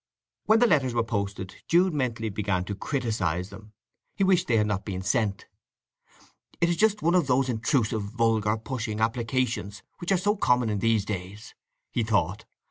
When the letters were posted Jude mentally began to criticize them; he wished they had not been sent. "It is just one of those intrusive, vulgar, pushing, applications which are so common in these days," he thought.